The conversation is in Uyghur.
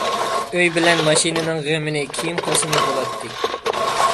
ئۆي بىلەن ماشىنىنىڭ غېمىنى كېيىن قىلسىمۇ بولاتتى.